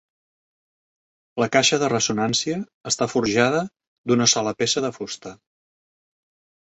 La caixa de ressonància està forjada d'una sola peça de fusta.